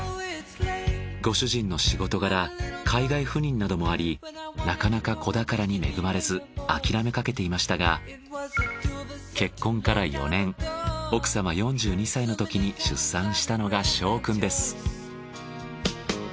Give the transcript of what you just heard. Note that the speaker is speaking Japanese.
ご主人の仕事柄海外赴任などもありなかなか子宝に恵まれず諦めかけていましたが結婚から４年奥さま４２歳の時に出産したのが翔くんです。